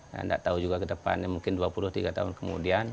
nah tidak tahu juga ke depannya mungkin dua puluh tiga tahun kemudian